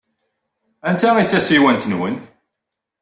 Anta ay d tasiwant-nwen?